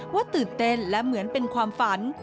ว่าตื่นเต้นและเหมือนเป็นความฝัน